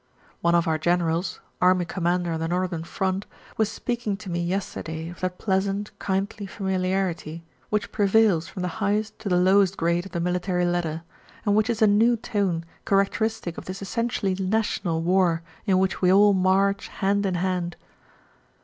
One of our generals, army commander on the Northern Front, was speaking to me yesterday of that pleasant, kindly familiarity which prevails from the highest to the lowest grade of the military ladder, and which is a new tone characteristic of this essentially national war in which we all march hand in hand.